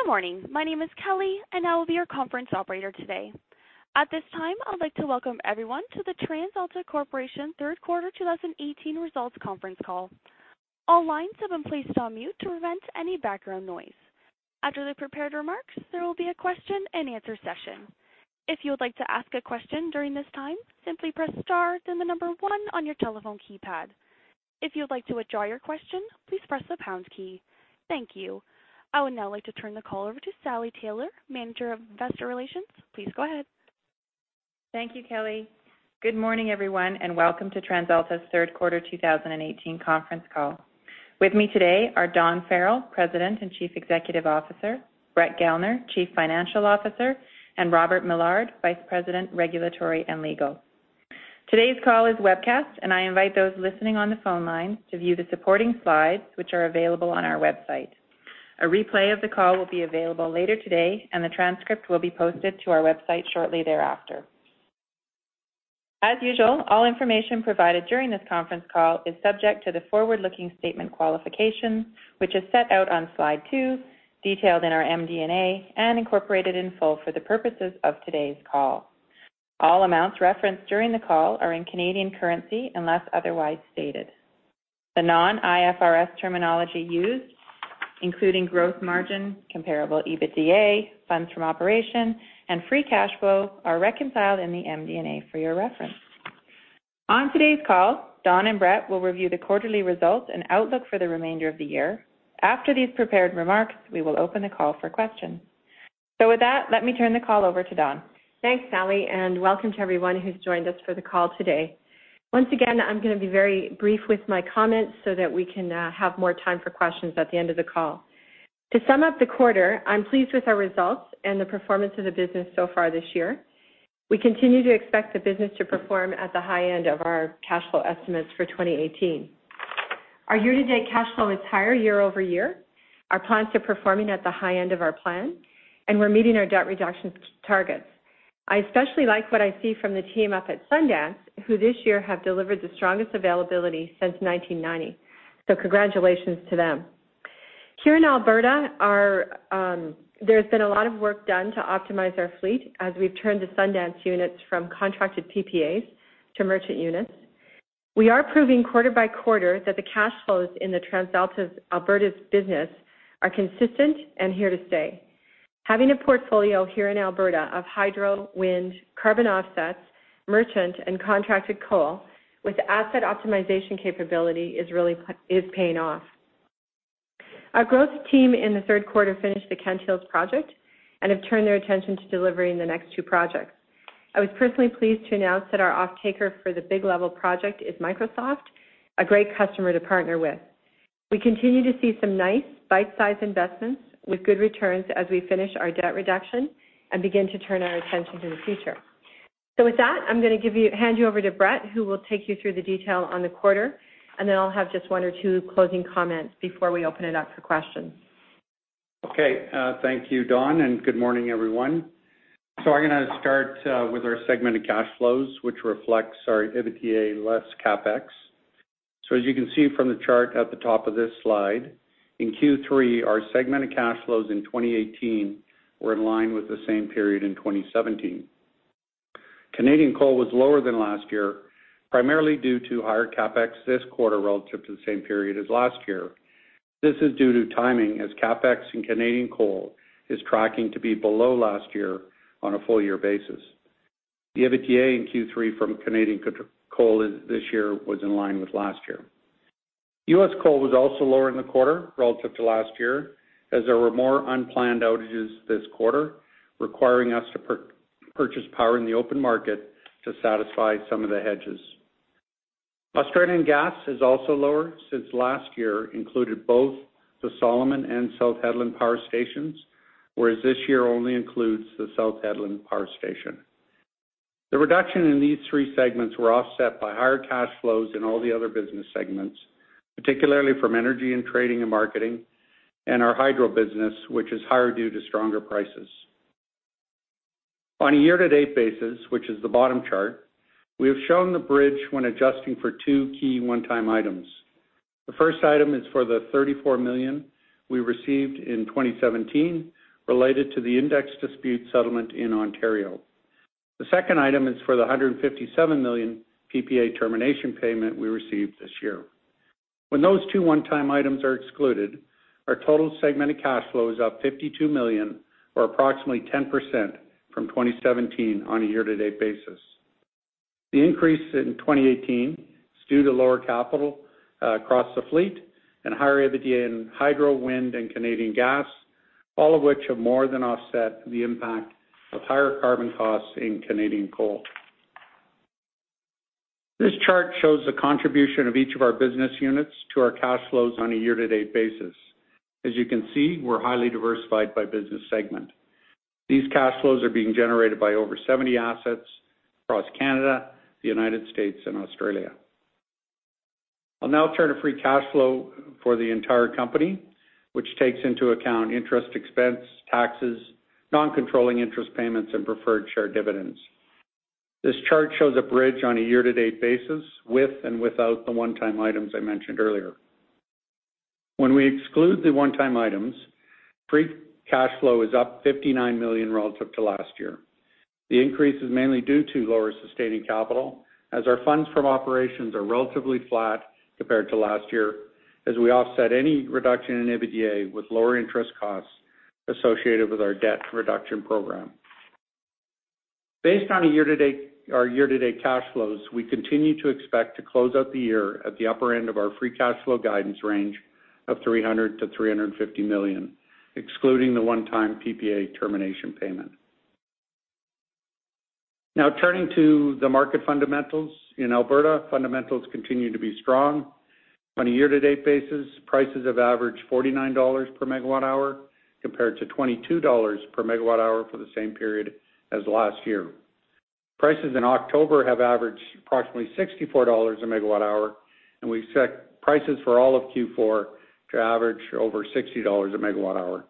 Good morning. My name is Kelly and I will be your conference operator today. At this time, I would like to welcome everyone to the TransAlta Corporation third quarter 2018 results conference call. All lines have been placed on mute to prevent any background noise. After the prepared remarks, there will be a question and answer session. If you would like to ask a question during this time, simply press star, then the number 1 on your telephone keypad. If you would like to withdraw your question, please press the pound key. Thank you. I would now like to turn the call over to Sally Taylor, Manager of Investor Relations. Please go ahead. Thank you, Kelly. Good morning, everyone, and welcome to TransAlta's third quarter 2018 conference call. With me today are Dawn Farrell, President and Chief Executive Officer, Brett Gellner, Chief Financial Officer, and Robert Millard, Vice President, Regulatory and Legal. Today's call is webcast, and I invite those listening on the phone line to view the supporting slides, which are available on our website. A replay of the call will be available later today, and the transcript will be posted to our website shortly thereafter. As usual, all information provided during this conference call is subject to the forward-looking statement qualification, which is set out on slide two, detailed in our MD&A, and incorporated in full for the purposes of today's call. All amounts referenced during the call are in Canadian currency, unless otherwise stated. The non-IFRS terminology used, including gross margin, comparable EBITDA, funds from operation, and free cash flow, are reconciled in the MD&A for your reference. On today's call, Dawn and Brett will review the quarterly results and outlook for the remainder of the year. After these prepared remarks, we will open the call for questions. With that, let me turn the call over to Dawn. Thanks, Sally, welcome to everyone who is joined us for the call today. Once again, I am going to be very brief with my comments that we can have more time for questions at the end of the call. To sum up the quarter, I am pleased with our results and the performance of the business so far this year. We continue to expect the business to perform at the high end of our cash flow estimates for 2018. Our year-to-date cash flow is higher year-over-year. Our plants are performing at the high end of our plan, and we are meeting our debt reduction targets. I especially like what I see from the team up at Sundance, who this year have delivered the strongest availability since 1990. Congratulations to them. Here in Alberta, there's been a lot of work done to optimize our fleet as we've turned the Sundance units from contracted PPAs to merchant units. We are proving quarter by quarter that the cash flows in the TransAlta Alberta's business are consistent and here to stay. Having a portfolio here in Alberta of hydro, wind, carbon offsets, merchant, and contracted coal with asset optimization capability is paying off. Our growth team in the third quarter finished the Kent Hills project and have turned their attention to delivering the next two projects. I was personally pleased to announce that our offtaker for the Big Level project is Microsoft, a great customer to partner with. We continue to see some nice bite-size investments with good returns as we finish our debt reduction and begin to turn our attention to the future. With that, I'm going to hand you over to Brett, who will take you through the detail on the quarter, and then I'll have just one or two closing comments before we open it up for questions. Thank you, Dawn, and good morning, everyone. I'm going to start with our segmented cash flows, which reflects our EBITDA less CapEx. As you can see from the chart at the top of this slide, in Q3, our segmented cash flows in 2018 were in line with the same period in 2017. Canadian coal was lower than last year, primarily due to higher CapEx this quarter relative to the same period as last year. This is due to timing, as CapEx in Canadian coal is tracking to be below last year on a full-year basis. The EBITDA in Q3 from Canadian coal this year was in line with last year. U.S. coal was also lower in the quarter relative to last year, as there were more unplanned outages this quarter, requiring us to purchase power in the open market to satisfy some of the hedges. Australian gas is also lower since last year included both the Solomon and South Hedland power stations, whereas this year only includes the South Hedland power station. The reduction in these three segments were offset by higher cash flows in all the other business segments, particularly from energy and trading and marketing and our hydro business, which is higher due to stronger prices. On a year-to-date basis, which is the bottom chart, we have shown the bridge when adjusting for two key one-time items. The first item is for the 34 million we received in 2017 related to the index dispute settlement in Ontario. The second item is for the 157 million PPA termination payment we received this year. When those two one-time items are excluded, our total segmented cash flow is up 52 million or approximately 10% from 2017 on a year-to-date basis. The increase in 2018 is due to lower capital across the fleet and higher EBITDA in hydro, wind, and Canadian gas, all of which have more than offset the impact of higher carbon costs in Canadian coal. This chart shows the contribution of each of our business units to our cash flows on a year-to-date basis. As you can see, we're highly diversified by business segment. These cash flows are being generated by over 70 assets across Canada, the United States, and Australia. I'll now turn to free cash flow for the entire company, which takes into account interest expense, taxes, non-controlling interest payments, and preferred share dividends. This chart shows a bridge on a year-to-date basis with and without the one-time items I mentioned earlier. When we exclude the one-time items, free cash flow is up 59 million relative to last year. The increase is mainly due to lower sustaining capital, as our funds from operations are relatively flat compared to last year, as we offset any reduction in EBITDA with lower interest costs associated with our debt reduction program. Based on our year-to-date cash flows, we continue to expect to close out the year at the upper end of our free cash flow guidance range of 300 million-350 million, excluding the one-time PPA termination payment. Turning to the market fundamentals. In Alberta, fundamentals continue to be strong. On a year-to-date basis, prices have averaged 49 dollars per megawatt hour, compared to 22 dollars per megawatt hour for the same period as last year. Prices in October have averaged approximately 64 dollars a megawatt hour, and we expect prices for all of Q4 to average over 60 dollars a megawatt hour.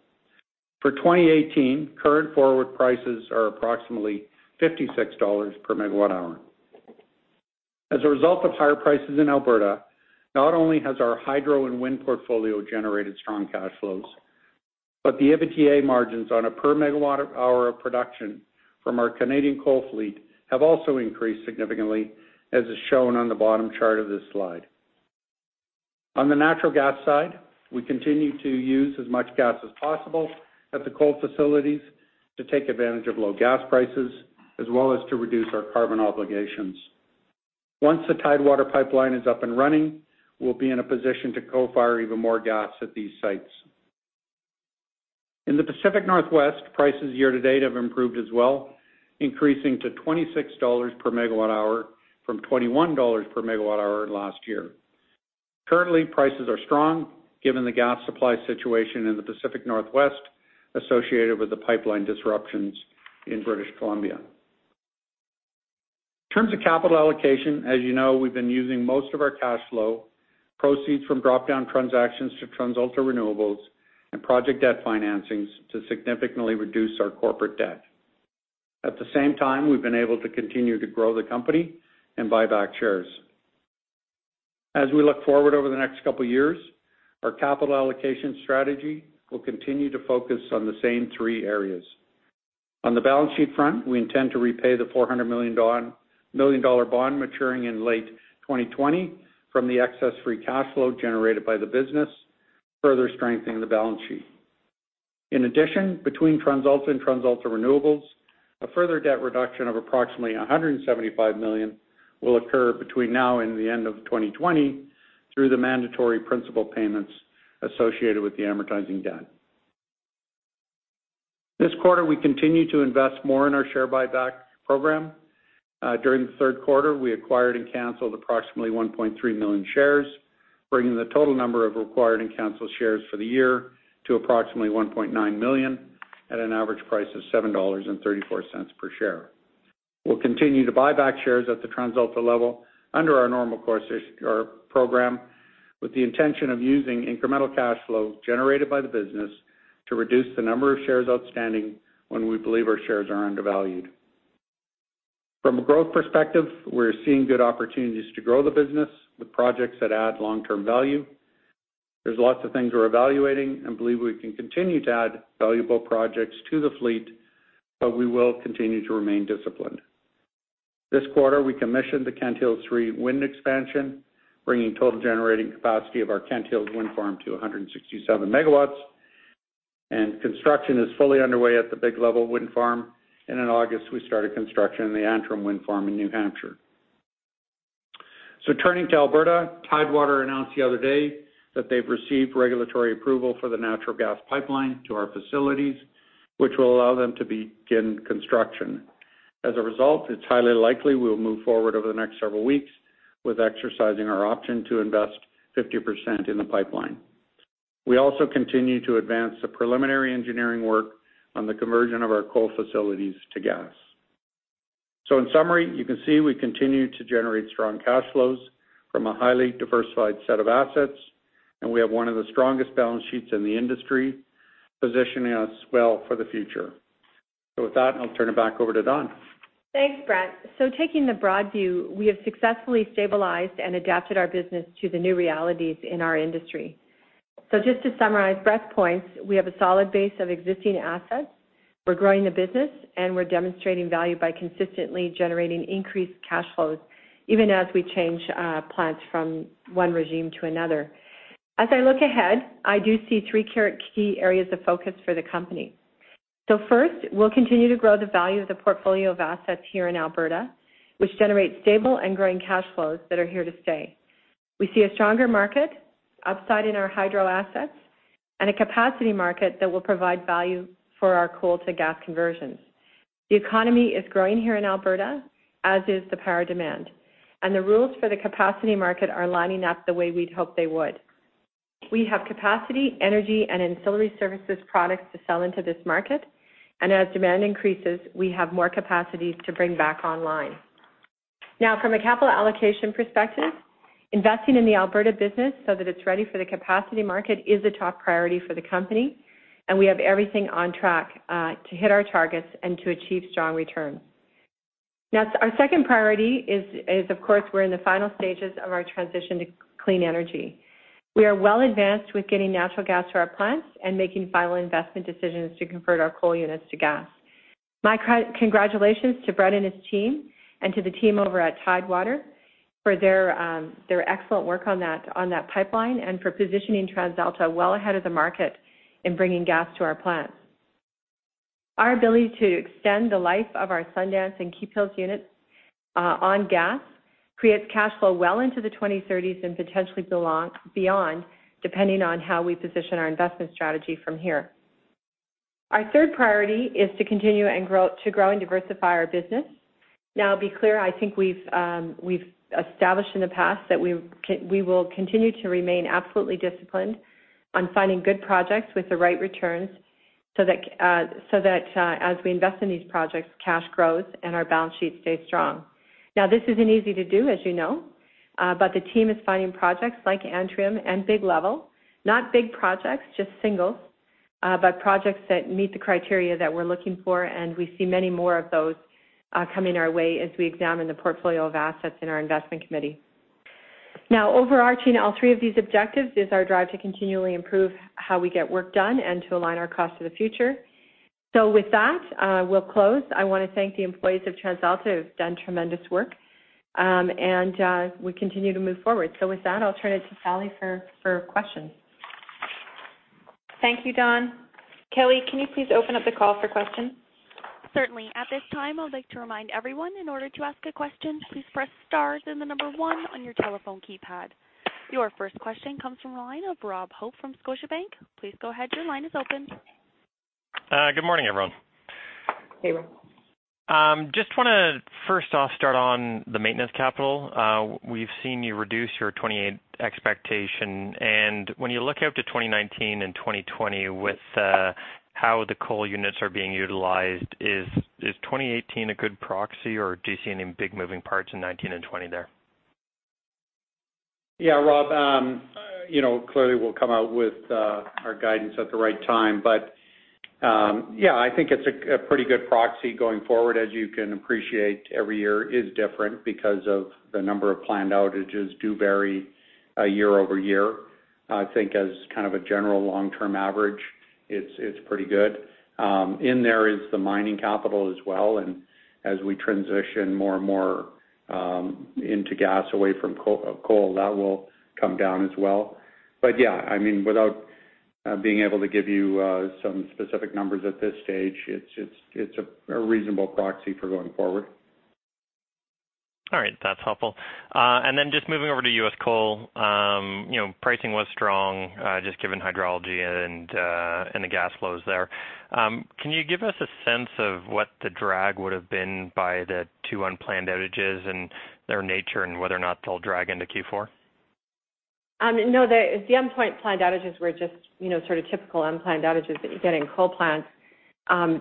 For 2018, current forward prices are approximately 56 dollars per megawatt hour. As a result of higher prices in Alberta, not only has our hydro and wind portfolio generated strong cash flows, but the EBITDA margins on a per megawatt hour of production from our Canadian coal fleet have also increased significantly, as is shown on the bottom chart of this slide. On the natural gas side, we continue to use as much gas as possible at the coal facilities to take advantage of low gas prices, as well as to reduce our carbon obligations. Once the Pioneer Pipeline is up and running, we'll be in a position to co-fire even more gas at these sites. In the Pacific Northwest, prices year-to-date have improved as well, increasing to 26 dollars per megawatt hour from 21 dollars per megawatt hour last year. Currently, prices are strong given the gas supply situation in the Pacific Northwest associated with the pipeline disruptions in British Columbia. In terms of capital allocation, as you know, we've been using most of our cash flow proceeds from drop-down transactions to TransAlta Renewables and project debt financings to significantly reduce our corporate debt. At the same time, we've been able to continue to grow the company and buy back shares. As we look forward over the next couple of years, our capital allocation strategy will continue to focus on the same three areas. On the balance sheet front, we intend to repay the 400 million dollar bond maturing in late 2020 from the excess free cash flow generated by the business, further strengthening the balance sheet. In addition, between TransAlta and TransAlta Renewables, a further debt reduction of approximately 175 million will occur between now and the end of 2020 through the mandatory principal payments associated with the amortizing debt. This quarter, we continued to invest more in our share buyback program. During the third quarter, we acquired and canceled approximately 1.3 million shares, bringing the total number of acquired and canceled shares for the year to approximately 1.9 million at an average price of 7.34 dollars per share. We'll continue to buy back shares at the TransAlta level under our normal program, with the intention of using incremental cash flow generated by the business to reduce the number of shares outstanding when we believe our shares are undervalued. From a growth perspective, we're seeing good opportunities to grow the business with projects that add long-term value. There's lots of things we're evaluating and believe we can continue to add valuable projects to the fleet. We will continue to remain disciplined. This quarter, we commissioned the Kent Hills Three wind expansion, bringing total generating capacity of our Kent Hills Wind Farm to 167 megawatts. Construction is fully underway at the Big Level Wind Farm. In August, we started construction on the Antrim Wind Farm in New Hampshire. Turning to Alberta, Tidewater announced the other day that they've received regulatory approval for the natural gas pipeline to our facilities, which will allow them to begin construction. As a result, it's highly likely we'll move forward over the next several weeks with exercising our option to invest 50% in the pipeline. We also continue to advance the preliminary engineering work on the conversion of our coal facilities to gas. In summary, you can see we continue to generate strong cash flows from a highly diversified set of assets. We have one of the strongest balance sheets in the industry, positioning us well for the future. With that, I'll turn it back over to Dawn. Thanks, Brett. Taking the broad view, we have successfully stabilized and adapted our business to the new realities in our industry. Just to summarize Brett's points, we have a solid base of existing assets, we're growing the business. We're demonstrating value by consistently generating increased cash flows, even as we change plants from one regime to another. As I look ahead, I do see three key areas of focus for the company. First, we'll continue to grow the value of the portfolio of assets here in Alberta, which generate stable and growing cash flows that are here to stay. We see a stronger market, upside in our hydro assets. A capacity market that will provide value for our coal to gas conversions. The economy is growing here in Alberta, as is the power demand, the rules for the capacity market are lining up the way we'd hoped they would. We have capacity, energy, and ancillary services products to sell into this market, and as demand increases, we have more capacities to bring back online. From a capital allocation perspective, investing in the Alberta business so that it's ready for the capacity market is a top priority for the company, and we have everything on track to hit our targets and to achieve strong returns. Our second priority is, of course, we're in the final stages of our transition to clean energy. We are well advanced with getting natural gas to our plants and making final investment decisions to convert our coal units to gas. My congratulations to Brett and his team and to the team over at Tidewater for their excellent work on that pipeline and for positioning TransAlta well ahead of the market in bringing gas to our plants. Our ability to extend the life of our Sundance and Keephills units on gas creates cash flow well into the 2030s and potentially beyond, depending on how we position our investment strategy from here. Our third priority is to continue to grow and diversify our business. I'll be clear, I think we've established in the past that we will continue to remain absolutely disciplined on finding good projects with the right returns so that as we invest in these projects, cash grows and our balance sheets stay strong. This isn't easy to do, as you know, but the team is finding projects like Antrim and Big Level. Not big projects, just single, projects that meet the criteria that we're looking for, and we see many more of those coming our way as we examine the portfolio of assets in our investment committee. Overarching all three of these objectives is our drive to continually improve how we get work done and to align our costs to the future. With that, we'll close. I want to thank the employees of TransAlta who've done tremendous work, and we continue to move forward. With that, I'll turn it to Sally for questions. Thank you, Dawn. Kelly, can you please open up the call for questions? Certainly. At this time, I would like to remind everyone, in order to ask a question, please press star then the number 1 on your telephone keypad. Your first question comes from the line of Rob Hope from Scotiabank. Please go ahead, your line is open. Good morning, everyone. Hey, Rob. Just want to first off start on the maintenance capital. We've seen you reduce your 2018 expectation, and when you look out to 2019 and 2020 with how the coal units are being utilized, is 2018 a good proxy, or do you see any big moving parts in 2019 and 2020 there? Yeah, Rob. Clearly, we'll come out with our guidance at the right time. Yeah, I think it's a pretty good proxy going forward. As you can appreciate, every year is different because of the number of planned outages do vary year-over-year. I think as kind of a general long-term average, it's pretty good. In there is the mining capital as well, and as we transition more and more into gas away from coal, that will come down as well. Yeah, without being able to give you some specific numbers at this stage, it's a reasonable proxy for going forward. All right. That's helpful. Then just moving over to U.S. coal. Pricing was strong, just given hydrology and the gas flows there. Can you give us a sense of what the drag would've been by the two unplanned outages and their nature and whether or not they'll drag into Q4? No, the endpoint planned outages were just sort of typical unplanned outages that you get in coal plants.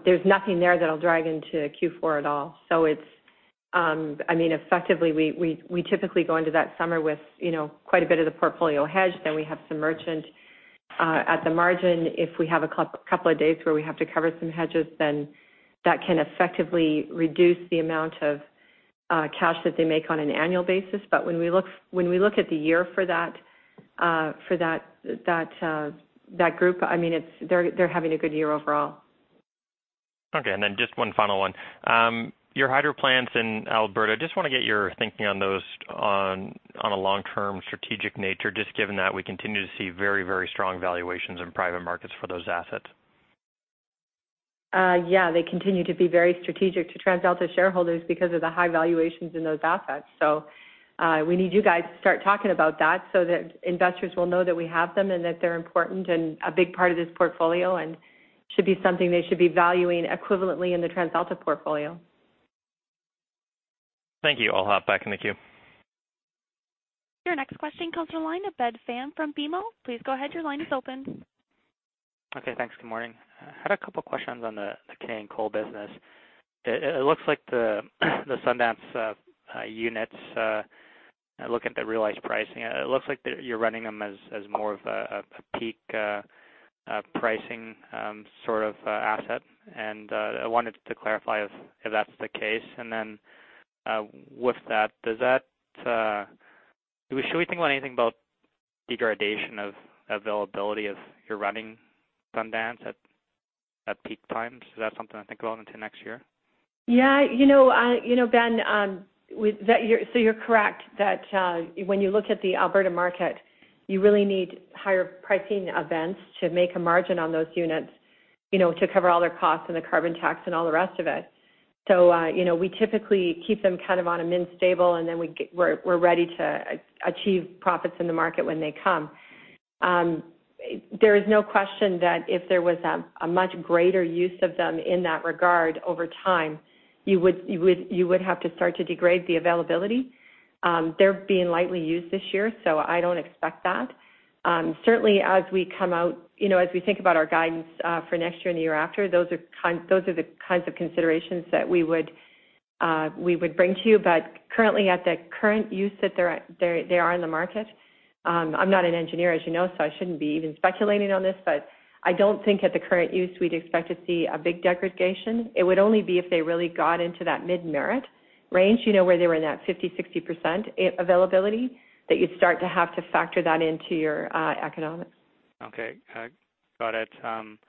There's nothing there that'll drag into Q4 at all. Effectively, we typically go into that summer with quite a bit of the portfolio hedged, then we have some merchant at the margin. If we have a couple of days where we have to cover some hedges, then that can effectively reduce the amount of cash that they make on an annual basis. When we look at the year for that group, they're having a good year overall. Okay, then just one final one. Your hydro plants in Alberta, just want to get your thinking on those on a long-term strategic nature, just given that we continue to see very, very strong valuations in private markets for those assets. Yeah, they continue to be very strategic to TransAlta shareholders because of the high valuations in those assets. We need you guys to start talking about that so that investors will know that we have them and that they're important and a big part of this portfolio and should be something they should be valuing equivalently in the TransAlta portfolio. Thank you. I'll hop back in the queue. Your next question comes from the line of Ben Pham from BMO. Please go ahead, your line is open. Okay, thanks. Good morning. I had a couple questions on the Canadian coal business. It looks like the Sundance units, looking at the realized pricing, it looks like you're running them as more of a peak pricing sort of asset. I wanted to clarify if that's the case. Then with that, should we think about anything about degradation of availability if you're running Sundance at peak times? Is that something to think about into next year? Ben, you're correct that when you look at the Alberta market, you really need higher pricing events to make a margin on those units to cover all their costs and the carbon tax and all the rest of it. We typically keep them kind of on a min stable, and then we're ready to achieve profits in the market when they come. There is no question that if there was a much greater use of them in that regard over time, you would have to start to degrade the availability. They're being lightly used this year, I don't expect that. Certainly, as we think about our guidance for next year and the year after, those are the kinds of considerations that we would bring to you. Currently at the current use that they are in the market, I'm not an engineer, as you know, I shouldn't be even speculating on this, I don't think at the current use, we'd expect to see a big degradation. It would only be if they really got into that mid merit range, where they were in that 50%, 60% availability that you'd start to have to factor that into your economics. Okay. Got it. Then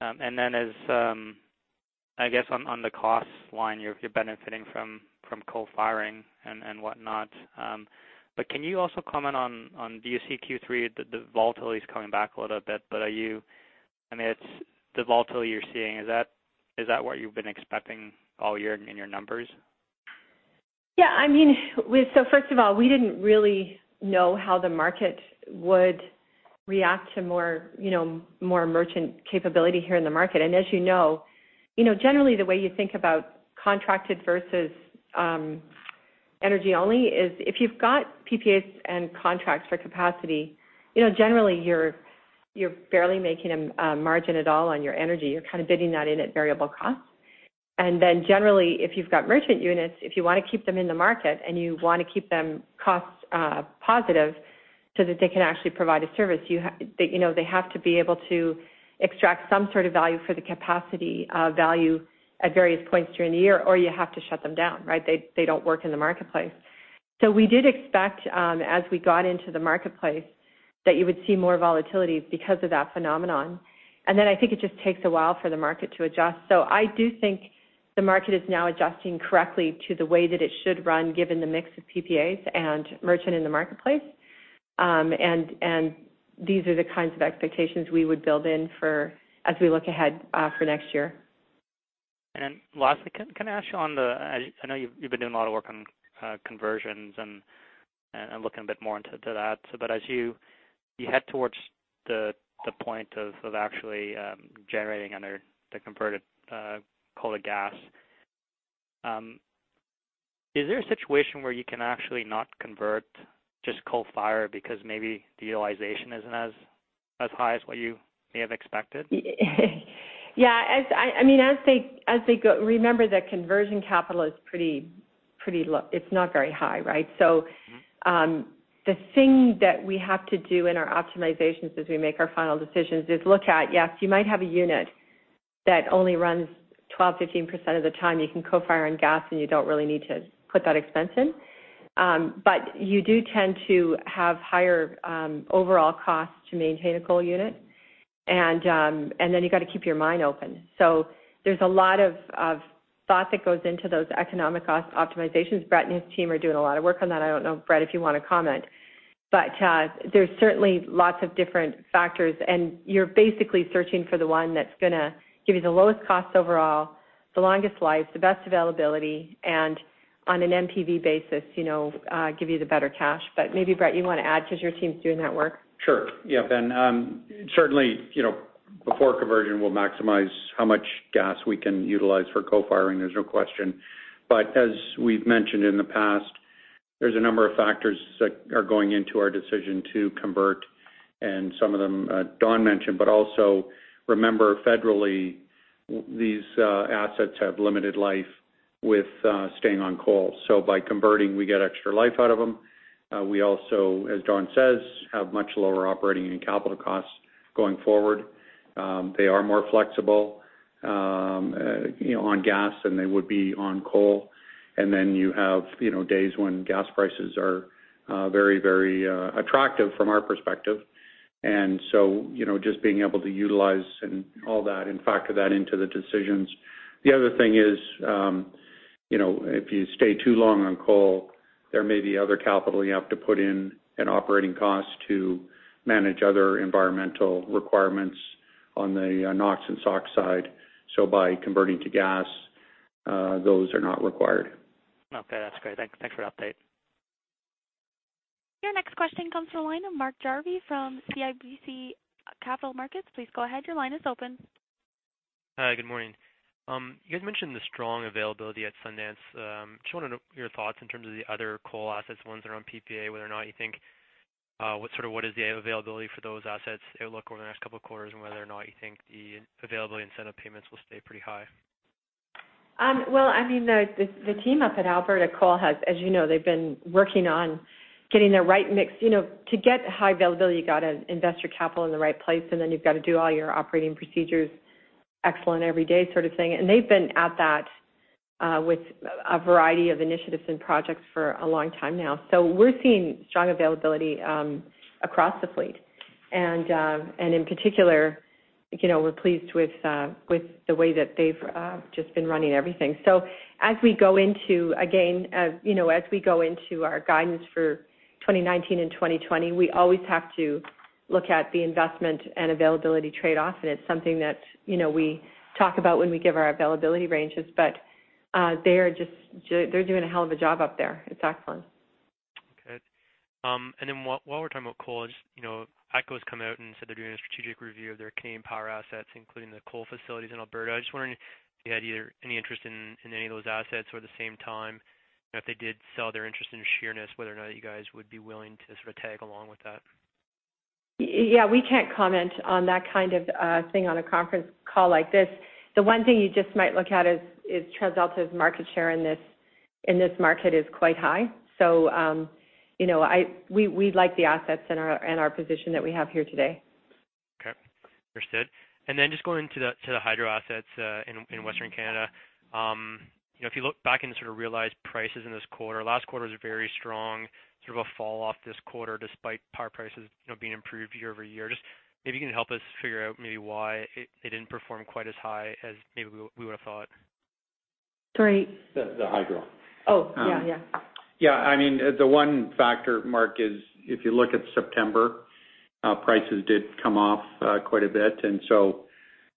as, I guess on the cost line, you're benefiting from co-firing and whatnot. Can you also comment on, do you see Q3, the volatility is coming back a little bit, the volatility you're seeing, is that what you've been expecting all year in your numbers? First of all, we didn't really know how the market would react to more merchant capability here in the market. As you know, generally the way you think about contracted versus energy only is if you've got PPAs and contracts for capacity, generally you're barely making a margin at all on your energy. You're kind of bidding that in at variable costs. Then generally, if you've got merchant units, if you want to keep them in the market and you want to keep them cost positive so that they can actually provide a service, they have to be able to extract some sort of value for the capacity value at various points during the year, or you have to shut them down, right? They don't work in the marketplace. We did expect, as we got into the marketplace, that you would see more volatility because of that phenomenon. I think it just takes a while for the market to adjust. I do think the market is now adjusting correctly to the way that it should run, given the mix of PPAs and merchant in the marketplace. These are the kinds of expectations we would build in as we look ahead for next year. Lastly, can I ask you, I know you've been doing a lot of work on conversions and looking a bit more into that. As you head towards the point of actually generating under the converted coal to gas, is there a situation where you can actually not convert just coal fire because maybe the utilization isn't as high as what you may have expected? Yeah. Remember that conversion capital is not very high, right? The thing that we have to do in our optimizations as we make our final decisions is look at, yes, you might have a unit that only runs 12%, 15% of the time. You can co-fire on gas, you don't really need to put that expense in. You do tend to have higher overall costs to maintain a coal unit. You got to keep your mine open. There's a lot of thought that goes into those economic optimizations. Brett and his team are doing a lot of work on that. I don't know, Brett, if you want to comment. There's certainly lots of different factors, and you're basically searching for the one that's going to give you the lowest cost overall, the longest life, the best availability, and on an NPV basis, give you the better cash. maybe, Brett, you want to add because your team's doing that work? Sure. Yeah. Ben, certainly, before conversion, we'll maximize how much gas we can utilize for co-firing. There's no question. As we've mentioned in the past, there's a number of factors that are going into our decision to convert, and some of them Dawn mentioned. Also remember, federally, these assets have limited life with staying on coal. By converting, we get extra life out of them. We also, as Dawn says, have much lower operating and capital costs going forward. They are more flexible on gas than they would be on coal. Then you have days when gas prices are very attractive from our perspective. So, just being able to utilize and all that and factor that into the decisions. The other thing is, if you stay too long on coal, there may be other capital you have to put in and operating costs to manage other environmental requirements on the NOx and SOx side. By converting to gas, those are not required. Okay. That's great. Thanks for the update. Your next question comes from the line of Mark Jarvi from CIBC Capital Markets. Please go ahead. Your line is open. Hi. Good morning. You guys mentioned the strong availability at Sundance. Just wondering your thoughts in terms of the other coal assets, ones that are on PPA, whether or not you think, what is the availability for those assets look over the next couple of quarters and whether or not you think the availability incentive payments will stay pretty high? The team up at Alberta Coal has, as you know, they've been working on getting the right mix. To get high availability, you got to invest your capital in the right place, then you've got to do all your operating procedures excellent every day sort of thing. They've been at that with a variety of initiatives and projects for a long time now. We're seeing strong availability across the fleet. In particular, we're pleased with the way that they've just been running everything. As we go into our guidance for 2019 and 2020, we always have to look at the investment and availability trade-off, and it's something that we talk about when we give our availability ranges. They're doing a hell of a job up there. It's excellent. Okay. While we're talking about coal, just ATCO's come out and said they're doing a strategic review of their Canadian power assets, including the coal facilities in Alberta. I was just wondering if you had either any interest in any of those assets? At the same time, if they did sell their interest in Sheerness, whether or not you guys would be willing to sort of tag along with that. Yeah, we can't comment on that kind of thing on a conference call like this. The one thing you just might look at is TransAlta's market share in this market is quite high. We like the assets and our position that we have here today. Okay. Understood. Just going into the hydro assets in Western Canada. If you look back and sort of realize prices in this quarter, last quarter was very strong, sort of a fall off this quarter despite power prices being improved year-over-year. Just maybe you can help us figure out maybe why it didn't perform quite as high as maybe we would've thought. Sorry. The hydro. Oh, yeah. Yeah, the one factor, Mark, is if you look at September, prices did come off quite a bit.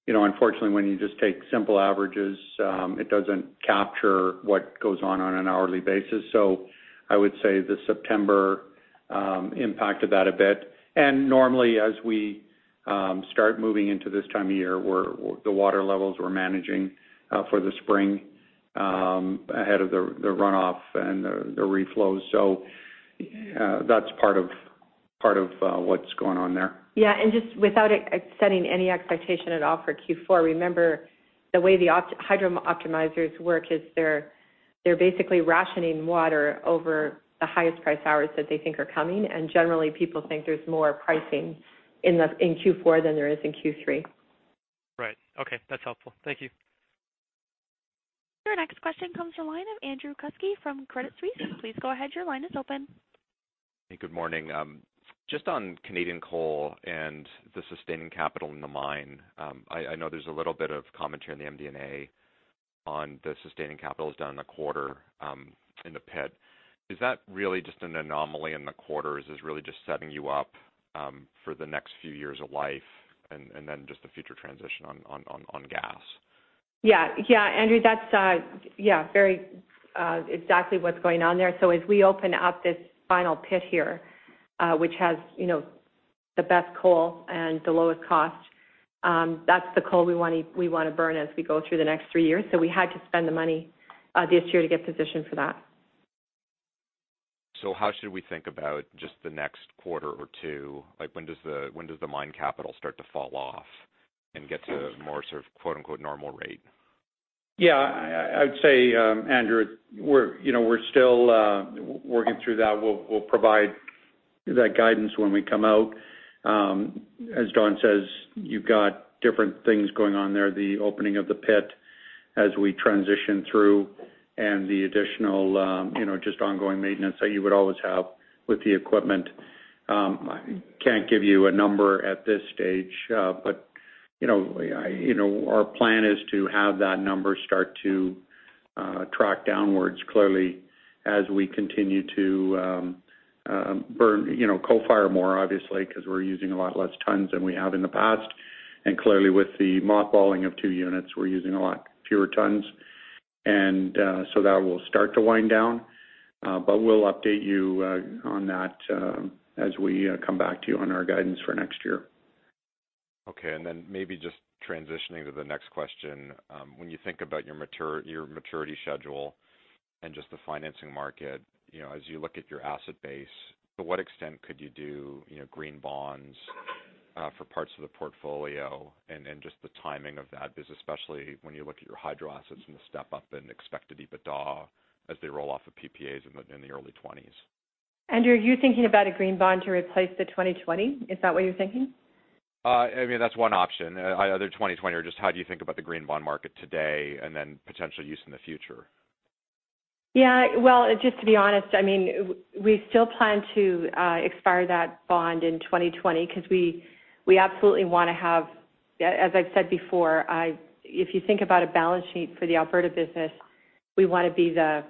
Unfortunately, when you just take simple averages, it doesn't capture what goes on an hourly basis. I would say the September impact of that a bit. Normally, as we start moving into this time of year, the water levels we're managing for the spring ahead of the runoff and the reflows. That's part of what's going on there. Yeah. Just without extending any expectation at all for Q4, remember, the way the hydro optimizers work is they're basically rationing water over the highest price hours that they think are coming. Generally, people think there's more pricing in Q4 than there is in Q3. Right. Okay. That's helpful. Thank you. Your next question comes from the line of Andrew Kuske from Credit Suisse. Please go ahead. Your line is open. Good morning. Just on Canadian coal and the sustaining capital in the mine. I know there's a little bit of commentary in the MD&A on the sustaining capital done in the quarter, in the pit. Is that really just an anomaly in the quarter? Is this really just setting you up for the next few years of life and then just the future transition on gas? Andrew, that's exactly what's going on there. As we open up this final pit here, which has the best coal and the lowest cost, that's the coal we want to burn as we go through the next three years. We had to spend the money this year to get positioned for that. How should we think about just the next quarter or two? When does the mine capital start to fall off and get to a more sort of quote unquote "normal rate? I would say, Andrew, we're still working through that. We'll provide that guidance when we come out. As Dawn says, you've got different things going on there. The opening of the pit as we transition through and the additional just ongoing maintenance that you would always have with the equipment. I can't give you a number at this stage. Our plan is to have that number start to track downwards clearly as we continue to burn coal fire more, obviously, because we're using a lot less tons than we have in the past. Clearly with the mothballing of two units, we're using a lot fewer tons. That will start to wind down. We'll update you on that as we come back to you on our guidance for next year. Okay. Then maybe just transitioning to the next question. When you think about your maturity schedule and just the financing market, as you look at your asset base, to what extent could you do green bonds for parts of the portfolio and just the timing of that? Because especially when you look at your hydro assets and the step-up in expected EBITDA as they roll off of PPAs in the early 20s. Andrew, are you thinking about a green bond to replace the 2020? Is that what you're thinking? That's one option. Either 2020 or just how do you think about the green bond market today and then potential use in the future? Yeah. Well, just to be honest, we still plan to expire that bond in 2020 because we absolutely want to have, as I've said before, if you think about a balance sheet for the Alberta business, we want to be the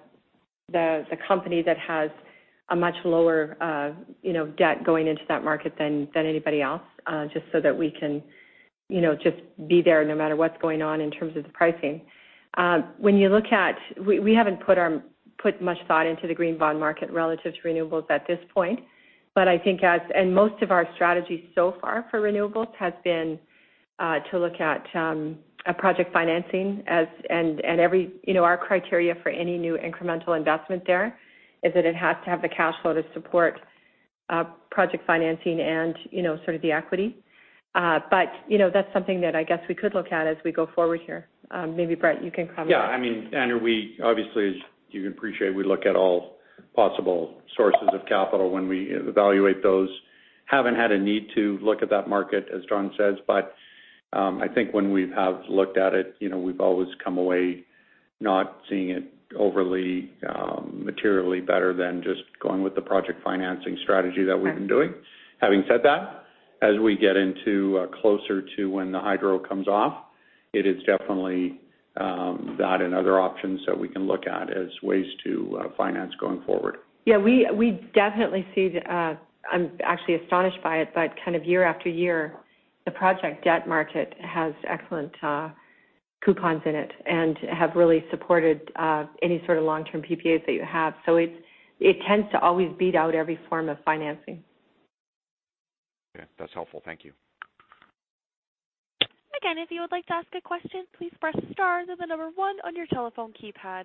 company that has a much lower debt going into that market than anybody else, just so that we can just be there no matter what's going on in terms of the pricing. We haven't put much thought into the green bond market relative to renewables at this point. Most of our strategy so far for renewables has been to look at project financing. Our criteria for any new incremental investment there is that it has to have the cash flow to support project financing and sort of the equity. That's something that I guess we could look at as we go forward here. Maybe Brett, you can comment. Yeah. Andrew, obviously, as you can appreciate, we look at all possible sources of capital when we evaluate those. Haven't had a need to look at that market, as Dawn says, but I think when we have looked at it, we've always come away not seeing it overly materially better than just going with the project financing strategy that we've been doing. Okay. Having said that, as we get closer to when the hydro comes off, it is definitely that and other options that we can look at as ways to finance going forward. Yeah, we definitely see. I'm actually astonished by it, but kind of year after year, the project debt market has excellent coupons in it and have really supported any sort of long-term PPAs that you have. It tends to always beat out every form of financing. Okay. That's helpful. Thank you. Again, if you would like to ask a question, please press star, then the number one on your telephone keypad.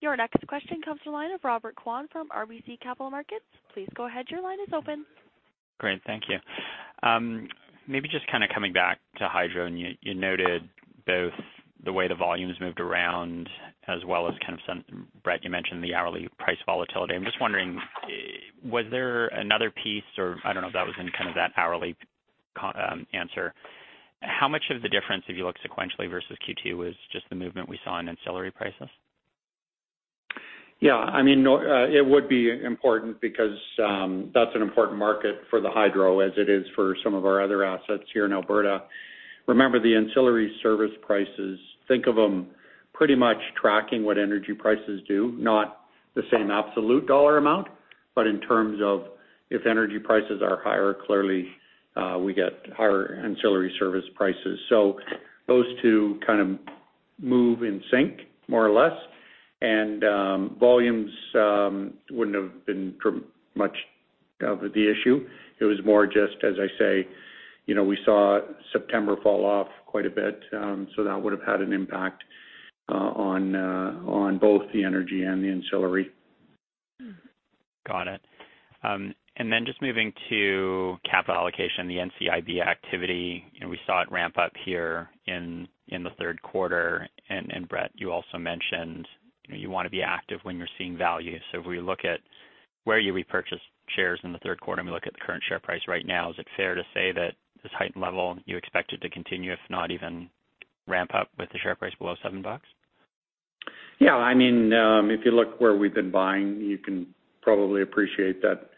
Your next question comes to the line of Robert Kwan from RBC Capital Markets. Please go ahead. Your line is open. Great. Thank you. Maybe just coming back to hydro, you noted both the way the volumes moved around as well as kind of some, Brett, you mentioned the hourly price volatility. I'm just wondering, was there another piece or I don't know if that was in kind of that hourly answer. How much of the difference, if you look sequentially versus Q2, was just the movement we saw in ancillary prices? Yeah. It would be important because that's an important market for the hydro as it is for some of our other assets here in Alberta. Remember the ancillary service prices, think of them pretty much tracking what energy prices do, not the same absolute dollar amount, but in terms of if energy prices are higher, clearly, we get higher ancillary service prices. Those two kind of move in sync, more or less. Volumes wouldn't have been much of the issue. It was more just as I say, we saw September fall off quite a bit. That would have had an impact on both the energy and the ancillary. Got it. Just moving to capital allocation, the NCIB activity, we saw it ramp up here in the third quarter. Brett, you also mentioned, you want to be active when you're seeing value. If we look at where you repurchased shares in the third quarter, and we look at the current share price right now, is it fair to say that this heightened level, you expect it to continue, if not even ramp up with the share price below 7 bucks? Yeah. If you look where we've been buying, you can probably appreciate that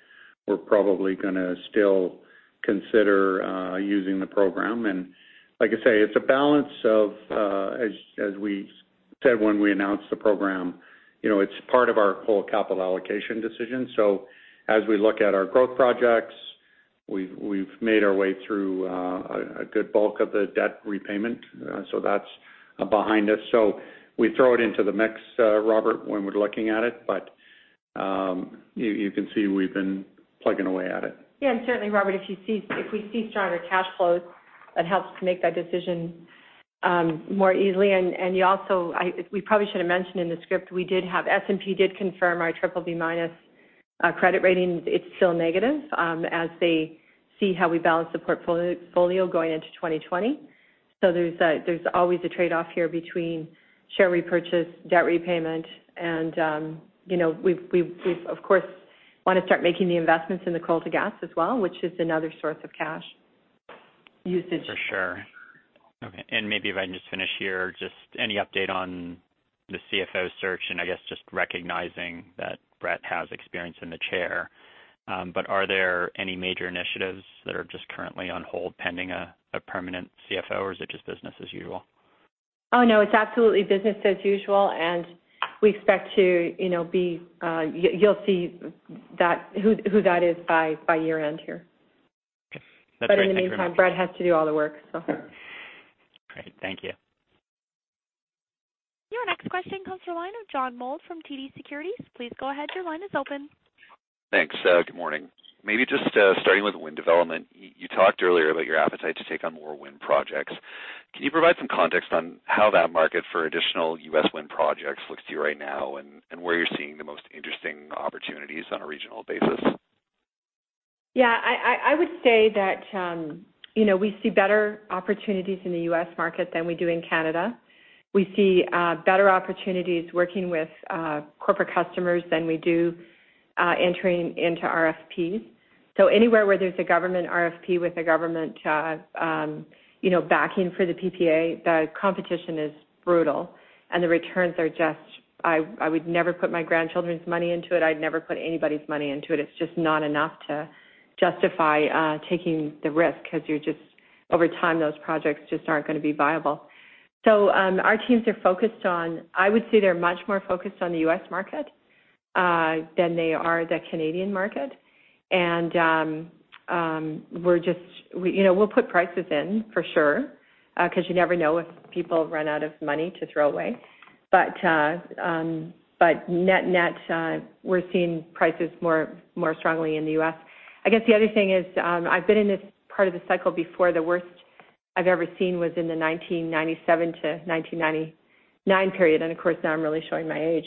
we're probably going to still consider using the program. Like I say, it's a balance of, as we said when we announced the program, it's part of our whole capital allocation decision. As we look at our growth projects, we've made our way through a good bulk of the debt repayment. That's behind us. We throw it into the mix, Robert, when we're looking at it. You can see we've been plugging away at it. Yeah. Certainly, Robert, if we see stronger cash flows, that helps to make that decision more easily. We probably should have mentioned in the script, S&P did confirm our BBB- credit rating. It's still negative, as they see how we balance the portfolio going into 2020. There's always a trade-off here between share repurchase, debt repayment, and we've, of course, want to start making the investments in the coal to gas as well, which is another source of cash usage. For sure. Okay. Maybe if I can just finish here, just any update on the CFO search, and I guess just recognizing that Brett has experience in the chair. Are there any major initiatives that are just currently on hold pending a permanent CFO, or is it just business as usual? Oh, no, it's absolutely business as usual, and we expect to be-- You'll see who that is by year-end here. Okay. That's great. Thanks very much. In the meantime, Brett has to do all the work. Great. Thank you. Your next question comes from the line of John Mould from TD Securities. Please go ahead. Your line is open. Thanks. Good morning. Maybe just starting with wind development, you talked earlier about your appetite to take on more wind projects. Can you provide some context on how that market for additional U.S. wind projects looks to you right now and where you're seeing the most interesting opportunities on a regional basis? Yeah, I would say that we see better opportunities in the U.S. market than we do in Canada. We see better opportunities working with corporate customers than we do entering into RFPs. Anywhere where there's a government RFP with a government backing for the PPA, the competition is brutal and the returns are just, I would never put my grandchildren's money into it. I'd never put anybody's money into it. It's just not enough to justify taking the risk because over time, those projects just aren't going to be viable. Our teams are focused on, I would say they're much more focused on the U.S. market than they are the Canadian market. We'll put prices in for sure, because you never know if people run out of money to throw away. Net-net, we're seeing prices more strongly in the U.S. I guess the other thing is, I've been in this part of the cycle before. The worst I've ever seen was in the 1997 to 1999 period, and of course, now I'm really showing my age.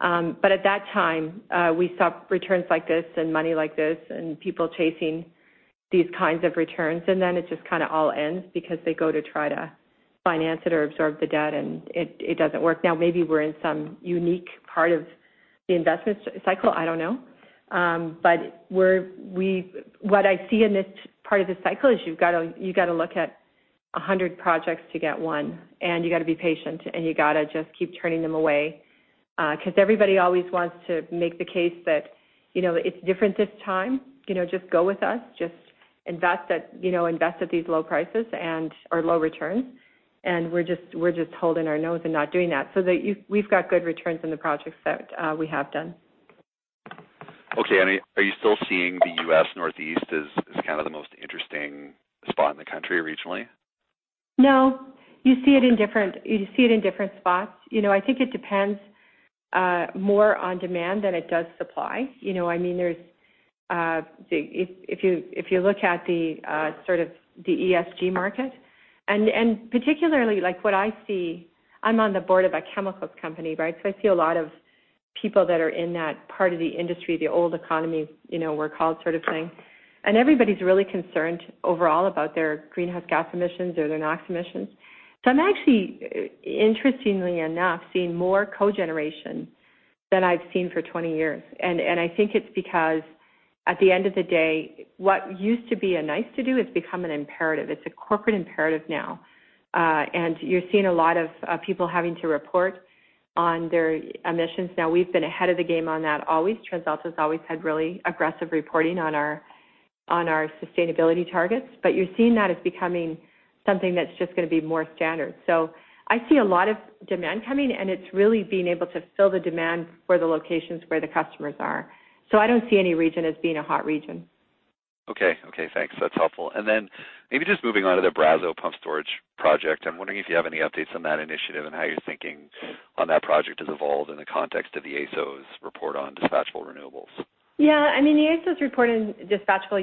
At that time, we saw returns like this and money like this and people chasing these kinds of returns, and then it just kind of all ends because they go to try to finance it or absorb the debt, and it doesn't work. Now, maybe we're in some unique part of the investment cycle, I don't know. What I see in this part of the cycle is you've got to look at 100 projects to get one, and you got to be patient, and you got to just keep turning them away. Because everybody always wants to make the case that it's different this time. Just go with us, just invest at these low prices or low returns. We're just holding our nose and not doing that. We've got good returns on the projects that we have done. Okay. Are you still seeing the U.S. Northeast as the most interesting spot in the country regionally? No, you see it in different spots. I think it depends more on demand than it does supply. If you look at the ESG market, particularly what I see, I'm on the board of a chemicals company, I see a lot of people that are in that part of the industry, the old economy, we're called sort of thing. Everybody's really concerned overall about their greenhouse gas emissions or their NOx emissions. I'm actually, interestingly enough, seeing more cogeneration than I've seen for 20 years. I think it's because, at the end of the day, what used to be a nice-to-do has become an imperative. It's a corporate imperative now. You're seeing a lot of people having to report on their emissions now. We've been ahead of the game on that always. TransAlta's always had really aggressive reporting on our sustainability targets. You're seeing that as becoming something that's just going to be more standard. I see a lot of demand coming, it's really being able to fill the demand for the locations where the customers are. I don't see any region as being a hot region. Okay. Thanks. That's helpful. Maybe just moving on to the Brazeau Pump Storage project, I'm wondering if you have any updates on that initiative and how your thinking on that project has evolved in the context of the AESO report on dispatchable renewables. Yeah. The AESO report on dispatchable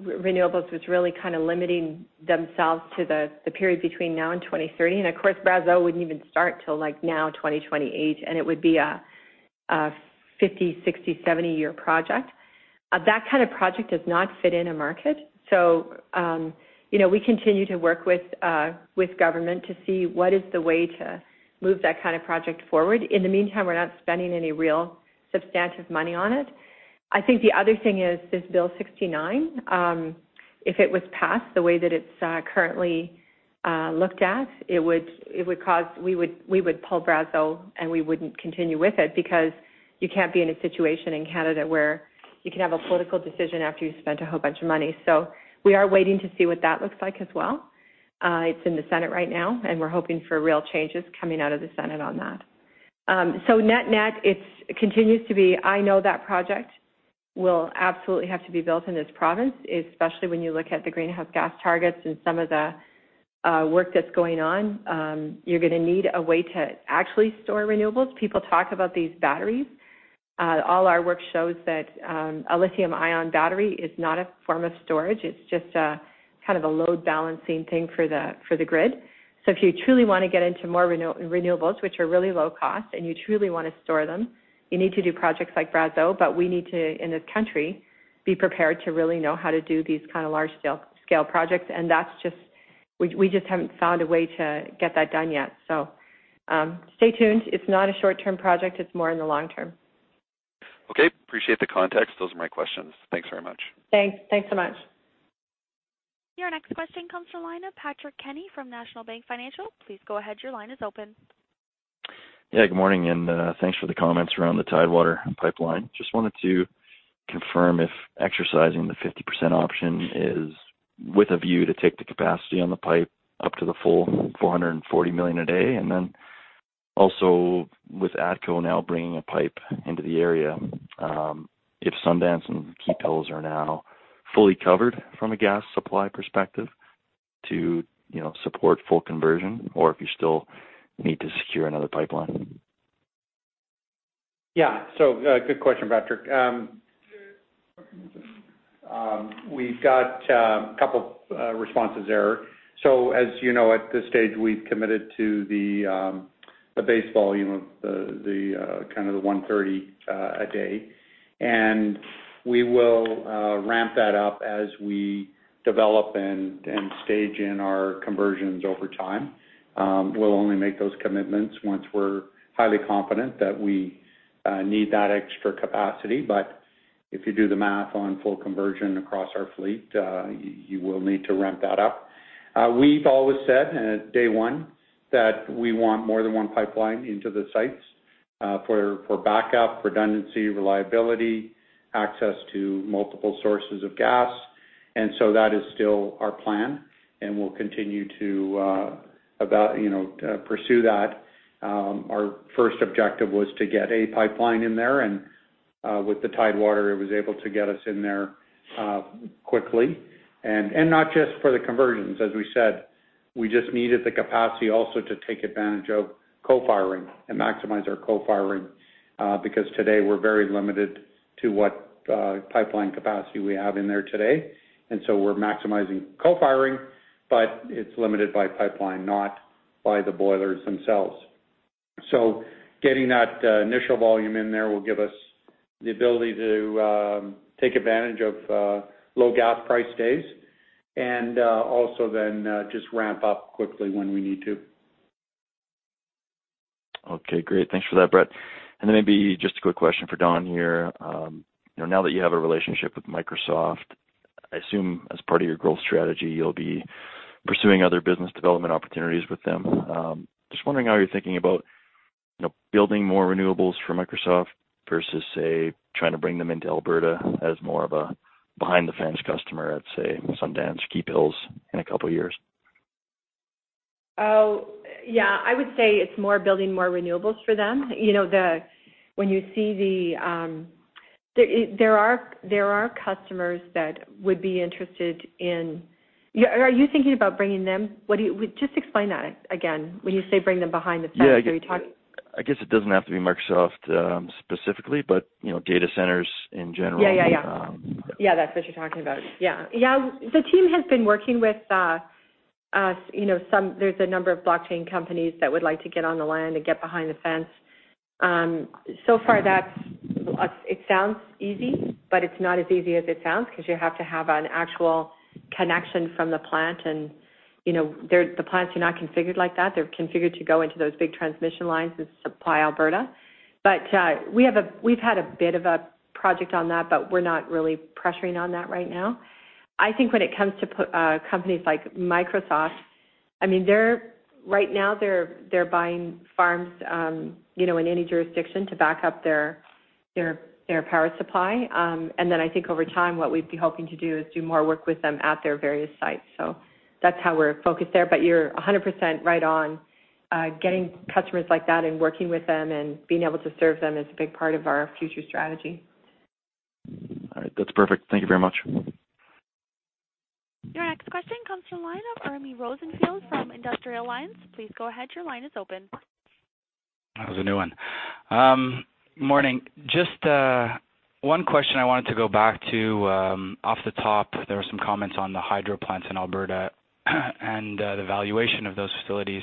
renewables was really limiting themselves to the period between now and 2030. Of course, Brazeau wouldn't even start till like now, 2028, and it would be a 50, 60, 70-year project. That kind of project does not fit in a market. We continue to work with government to see what is the way to move that kind of project forward. In the meantime, we're not spending any real substantive money on it. I think the other thing is this Bill C-69. If it was passed the way that it's currently looked at, we would pull Brazeau, and we wouldn't continue with it because you can't be in a situation in Canada where you can have a political decision after you've spent a whole bunch of money. We are waiting to see what that looks like as well. It's in the Senate right now. We're hoping for real changes coming out of the Senate on that. Net-net, it continues to be, I know that project will absolutely have to be built in this province, especially when you look at the greenhouse gas targets and some of the work that's going on. You're going to need a way to actually store renewables. People talk about these batteries. All our work shows that a lithium-ion battery is not a form of storage. It's just a load-balancing thing for the grid. If you truly want to get into more renewables, which are really low cost, you truly want to store them, you need to do projects like Brazeau. We need to, in this country, be prepared to really know how to do these large-scale projects, we just haven't found a way to get that done yet. Stay tuned. It's not a short-term project. It's more in the long term. Okay. Appreciate the context. Those are my questions. Thanks very much. Thanks so much. Your next question comes from the line of Patrick Kenny from National Bank Financial. Please go ahead. Your line is open. Yeah. Good morning, and thanks for the comments around the Tidewater pipeline. Just wanted to confirm if exercising the 50% option is with a view to take the capacity on the pipe up to the full 440 million a day, and then also with ATCO now bringing a pipe into the area, if Sundance and Keephills are now fully covered from a gas supply perspective to support full conversion, or if you still need to secure another pipeline. Yeah. Good question, Patrick. We've got a couple responses there. As you know, at this stage, we've committed to the base volume of the 130 a day, and we will ramp that up as we develop and stage in our conversions over time. We'll only make those commitments once we're highly confident that we need that extra capacity. If you do the math on full conversion across our fleet, you will need to ramp that up. We've always said, day one, that we want more than one pipeline into the sites, for backup redundancy, reliability, access to multiple sources of gas, that is still our plan, and we'll continue to pursue that. Our first objective was to get a pipeline in there, and with the Tidewater, it was able to get us in there quickly. Not just for the conversions. As we said, we just needed the capacity also to take advantage of co-firing and maximize our co-firing, because today, we're very limited to what pipeline capacity we have in there today. We're maximizing co-firing, but it's limited by pipeline, not by the boilers themselves. Getting that initial volume in there will give us the ability to take advantage of low gas price days and also then just ramp up quickly when we need to. Okay, great. Thanks for that, Brett. Maybe just a quick question for Dawn here. Now that you have a relationship with Microsoft, I assume as part of your growth strategy, you'll be pursuing other business development opportunities with them. Just wondering how you're thinking about building more renewables for Microsoft versus, say, trying to bring them into Alberta as more of a behind-the-fence customer at, say, Sundance, Keephills in a couple of years? Oh, yeah. I would say it's more building more renewables for them. There are customers that would be interested in. Are you thinking about bringing them? Just explain that again. When you say bring them behind the fence, are you talking? Yeah. I guess it doesn't have to be Microsoft specifically, but data centers in general. Yeah. That's what you're talking about. Yeah. The team has been working with, there's a number of blockchain companies that would like to get on the land and get behind the fence. So far, it sounds easy, but it's not as easy as it sounds because you have to have an actual connection from the plant and the plants are not configured like that. They're configured to go into those big transmission lines that supply Alberta. We've had a bit of a project on that, but we're not really pressuring on that right now. I think when it comes to companies like Microsoft, right now they're buying farms, in any jurisdiction to back up their power supply. I think over time, what we'd be hoping to do is do more work with them at their various sites. That's how we're focused there, but you're 100% right on getting customers like that and working with them and being able to serve them is a big part of our future strategy. All right. That's perfect. Thank you very much. Your next question comes from the line of Jeremi Rosenfield from Industrial Alliance. Please go ahead, your line is open. That was a new one. Morning. Just one question I wanted to go back to. Off the top, there were some comments on the hydro plants in Alberta and the valuation of those facilities.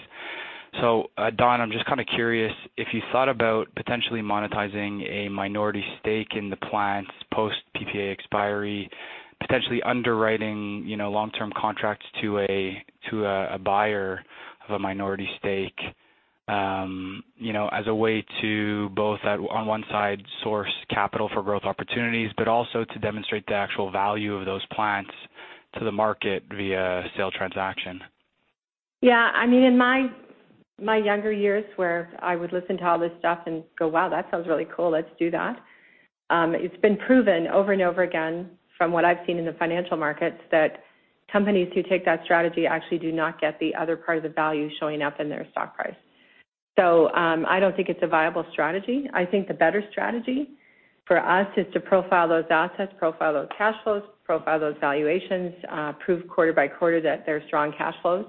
Dawn, I'm just kind of curious if you thought about potentially monetizing a minority stake in the plants post PPA expiry, potentially underwriting long-term contracts to a buyer of a minority stake, as a way to both on one side, source capital for growth opportunities, but also to demonstrate the actual value of those plants to the market via sale transaction. Yeah, in my younger years where I would listen to all this stuff and go, "Wow, that sounds really cool. Let's do that." It's been proven over and over again from what I've seen in the financial markets that companies who take that strategy actually do not get the other part of the value showing up in their stock price. I don't think it's a viable strategy. I think the better strategy for us is to profile those assets, profile those cash flows, profile those valuations, prove quarter by quarter that they're strong cash flows,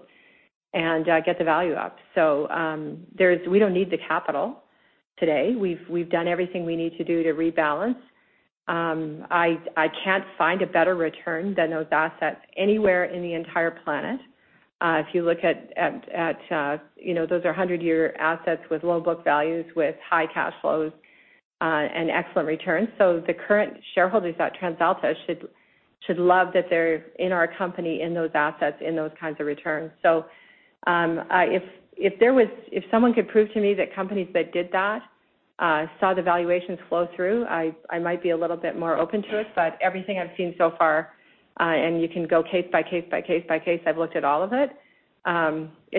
and get the value up. We don't need the capital today. We've done everything we need to do to rebalance. I can't find a better return than those assets anywhere in the entire planet. If you look at, those are 100-year assets with low book values, with high cash flows, and excellent returns. The current shareholders at TransAlta should love that they're in our company, in those assets, in those kinds of returns. If someone could prove to me that companies that did that saw the valuations flow through, I might be a little bit more open to it, but everything I've seen so far, and you can go case by case, I've looked at all of it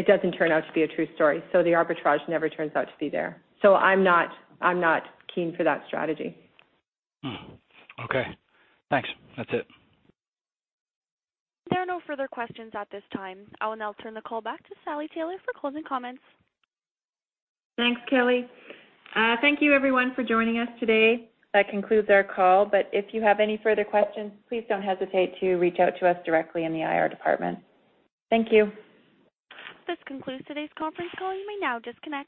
doesn't turn out to be a true story. The arbitrage never turns out to be there. I'm not keen for that strategy. Okay, thanks. That's it. There are no further questions at this time. I will now turn the call back to Sally Taylor for closing comments. Thanks, Kelly. Thank you everyone for joining us today. That concludes our call. If you have any further questions, please don't hesitate to reach out to us directly in the IR department. Thank you. This concludes today's conference call. You may now disconnect.